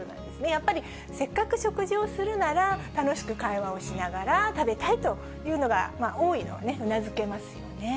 やっぱりせっかく食事をするなら、楽しく会話をしながら食べたいというのが多いのはうなずけますよね。